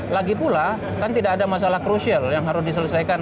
lagi pula kan tidak ada masalah krusial yang harus diselesaikan